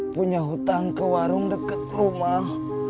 punya hutang ke warung dekat rumah